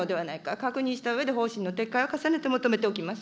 確認したうえで、方針の撤回を重ねて求めておきます。